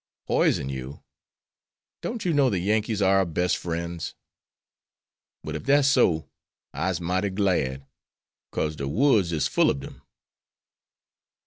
"Poison you! don't you know the Yankees are our best friends?" "Well, ef dat's so, I'se mighty glad, cause de woods is full ob dem."